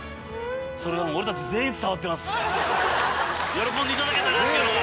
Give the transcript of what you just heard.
喜んでいただけたな！っていうのが。